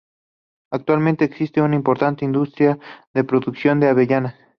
Actualmente, existe una importante industria de producción de avellanas.